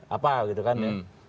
apa gitu kan ya